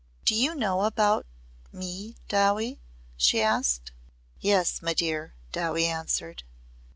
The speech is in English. "Do you know about me, Dowie?" she asked. "Yes, my dear," Dowie answered.